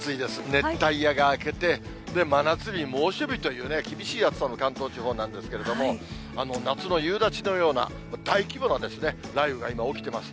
熱帯夜が明けて、真夏日、猛暑日という厳しい暑さの関東地方なんですけれども、夏の夕立のような、大規模な雷雨が今、起きてます。